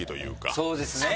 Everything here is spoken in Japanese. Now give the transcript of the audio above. そうですね。